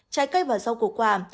trái cây và rau củ quả